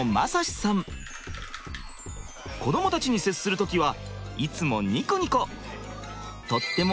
子どもたちに接する時はいつもニコニコ。